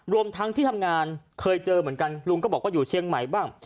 รวมทั้งที่ทำงานเคยเจอเหมือนกันลุงก็บอกว่าอยู่เชียงใหม่บ้าง